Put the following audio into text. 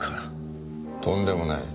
とんでもない。